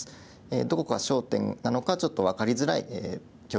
どこが焦点なのかちょっと分かりづらい局面ですね。